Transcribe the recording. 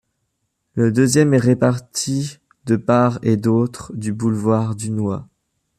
Le deuxième est réparti de part et d'autre du boulevard Dunois.